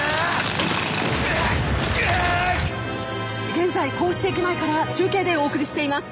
「現在香布市駅前から中継でお送りしています。